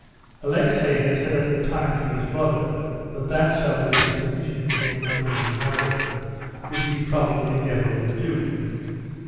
Alexey had said at the time to his brother that that sum would be sufficient for him until he married, which he probably never would do.